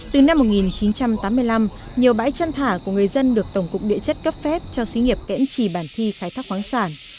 từ năm một nghìn chín trăm tám mươi năm nhiều bãi chăn thả của người dân được tổng cục địa chất cấp phép cho xí nghiệp kẽn trì bản thi khai thác khoáng sản